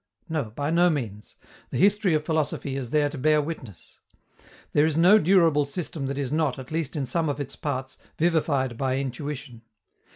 No, by no means; the history of philosophy is there to bear witness. There is no durable system that is not, at least in some of its parts, vivified by intuition.